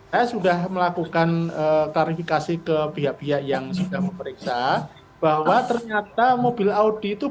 saya sudah melakukan klarifikasi ke pihak pihak yang sudah memeriksa bahwa ternyata mobil audi itu